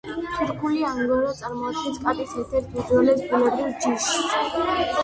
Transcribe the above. თურქული ანგორა წარმოადგენს კატის ერთ-ერთ უძველეს ბუნებრივ ჯიშს.